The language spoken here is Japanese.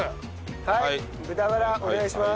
はい豚バラお願いします。